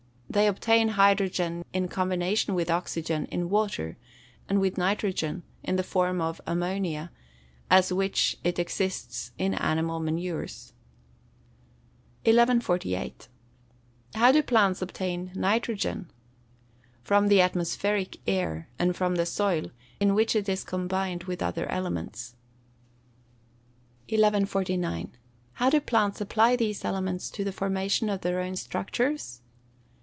_ They obtain hydrogen in combination with oxygen in water, and with nitrogen, in the form of ammonia, as which it exists in animal manures. 1148. How do plants obtain nitrogen? From the atmospheric air, and from the soil, in which it is combined with other elements. 1149. _How do plants apply these elements to the formation of their own structures?